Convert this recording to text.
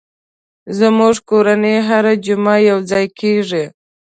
زموږ کورنۍ هره جمعه یو ځای کېږي.